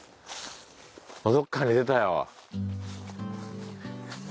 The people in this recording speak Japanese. どこかに出たよ。